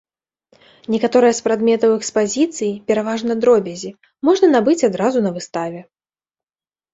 Некаторыя з прадметаў экспазіцыі, пераважна дробязі, можна набыць адразу на выставе.